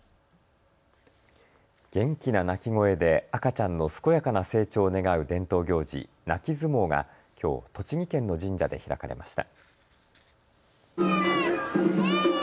元気な泣き声で赤ちゃんの健やかな成長を願う伝統行事、泣き相撲がきょう栃木県の神社で開かれました。